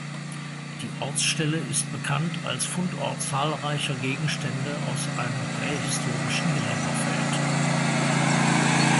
Die Ortsstelle ist bekannt als Fundort zahlreicher Gegenstände aus einem prähistorischen Gräberfeld.